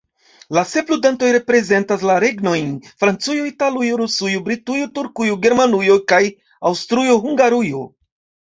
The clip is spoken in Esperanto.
La sep ludantoj reprezentas la regnojn Francujo, Italujo, Rusujo, Britujo, Turkujo, Germanujo kaj Aŭstrujo-Hungarujo.